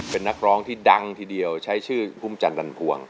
เป็นนักร้องที่ดังทีเดียวใช้ชื่อพุ่มจันดันภวง